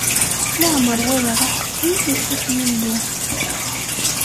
Leɛmer walaɣ aḥeqqi, ittu-t Yillu.